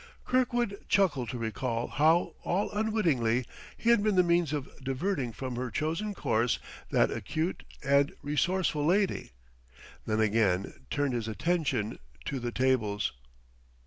Kirkwood chuckled to recall how, all unwittingly, he had been the means of diverting from her chosen course that acute and resourceful lady; then again turned his attention to the tables.